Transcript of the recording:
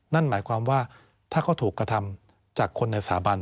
นั่นหมายความว่าถ้าเขาถูกกระทำจากคนในสถาบัน